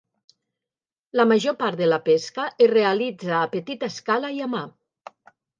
La major part de la pesca es realitza a petita escala i a mà.